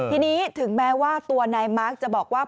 ทีนี้ถึงแม้ว่าตัวนายมาร์คจะบอกว่า